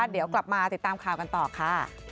เดี๋ยวกลับมาติดตามข่าวกันต่อค่ะ